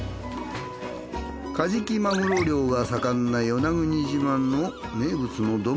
カジキマグロ漁が盛んな与那国島の名物の丼。